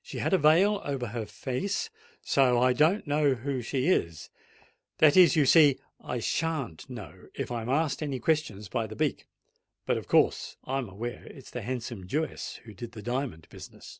She had a veil over her face—and so I don't know who she is: that is, you see, I shan't know, if I'm asked any questions by the beak:—but of course I'm aware it's the handsome Jewess that did the diamond business."